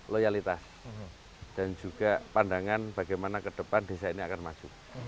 loyalitas dan juga pandangan bagaimana ke depan desa ini akan maju